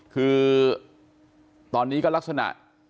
คือตอนนี้ก็ลักษณะ